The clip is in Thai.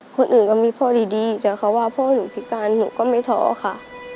คนอื่นก็มีพ่อดีแต่เขาว่าพ่อหนูพิการหนูก็ไม่ท้อค่ะ